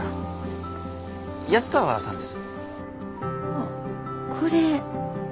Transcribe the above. あっこれ。